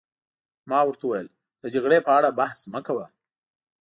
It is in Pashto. ما ورته وویل: د جګړې په اړه بحث مه کوه.